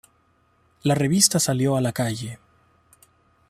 La revista salió a la calle.